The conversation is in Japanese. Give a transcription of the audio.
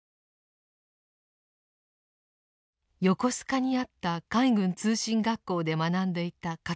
横須賀にあった海軍通信学校で学んでいた勝又さん。